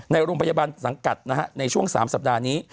ในโรงพยาบาลสังกัดนะฮะในช่วง๓สัปดาห์นี้